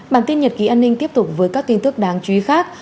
bản tin nhật ký an ninh tiếp tục với các tin tức đáng chú ý khác